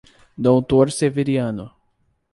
Doutor Severiano